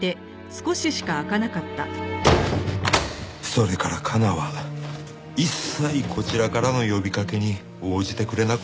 それから加奈は一切こちらからの呼び掛けに応じてくれなくなりました。